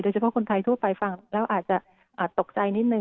เฉพาะคนไทยทั่วไปฟังแล้วอาจจะตกใจนิดนึ